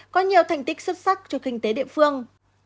có nhiều thành tích xuất sắc cho kinh tế địa phương